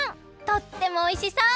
とってもおいしそう！